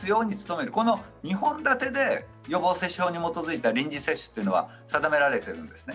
この２本立てで予防接種法に基づいて臨時接種というのが定められています。。